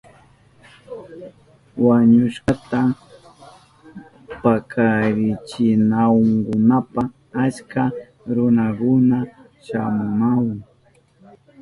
Wañushkata pakarichinankunapa achka runakuna shamunahun.